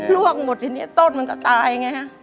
วกหมดทีนี้ต้นมันก็ตายไงฮะ